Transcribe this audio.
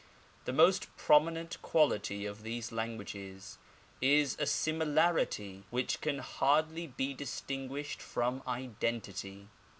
The most prominent quality of these languages is a similarity which can hardly be distinguished from identity.